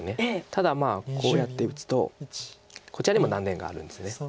ただこうやって打つとこちらにも断点があるんです。